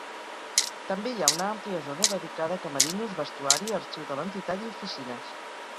També hi ha una àmplia zona dedicada a camerinos, vestuari, arxiu de l'entitat i oficines.